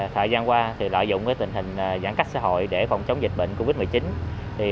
thời gian qua lợi dụng tình hình giãn cách xã hội để phòng chống dịch bệnh covid một mươi chín